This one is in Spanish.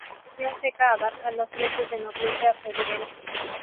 La estación seca abarca los meses de noviembre a febrero.